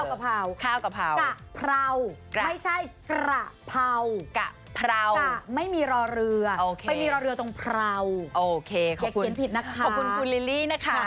โอเคอย่าเขียนผิดนะคะขอบคุณคุณลิลลี่นะคะ